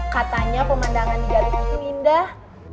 katanya pemandangan di jari ujung indah